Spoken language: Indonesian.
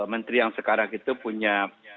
menteri yang sekarang itu punya